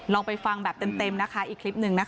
ลองไปฟังแบบเต็มนะคะอีกคลิปหนึ่งนะคะ